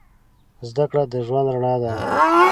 زده کړه د ژوند رڼا ده.